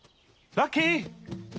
ラッキー！